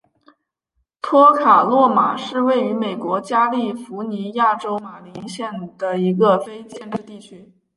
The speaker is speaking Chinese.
托卡洛马是位于美国加利福尼亚州马林县的一个非建制地区。